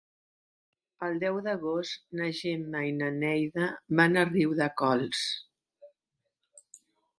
El deu d'agost na Gemma i na Neida van a Riudecols.